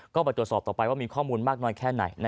ก็ไปตรวจสอบต่อไปว่ามีข้อมูลมากน้อยแค่ไหน